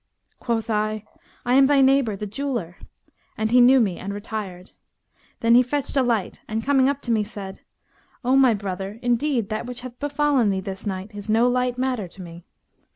Quoth I, 'I am thy neighbour the jeweller;' and he knew me and retired. Then he fetched a light and coming up to me, said, 'O my brother, indeed that which hath befallen thee this night is no light matter to me.'